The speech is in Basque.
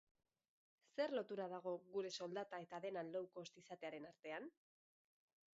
Zer lotura dago gure soldata eta dena low cost izatearen artean?